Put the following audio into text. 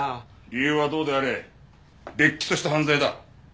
理由はどうであれれっきとした犯罪だ！